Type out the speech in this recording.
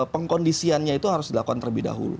pengkondisiannya itu harus dilakukan terlebih dahulu